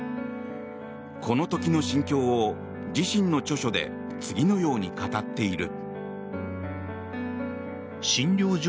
この時の心境を自身の著書で次のように語っている。